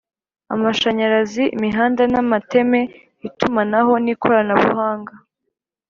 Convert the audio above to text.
amashanyarazi imihanda n amateme itumanaho n ikoranabuhanga